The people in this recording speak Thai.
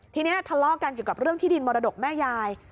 ทีนี้ทะเลาะกันเกี่ยวกับเรื่องที่ดินมรดกแม่ยาย